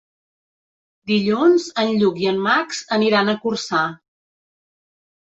Dilluns en Lluc i en Max aniran a Corçà.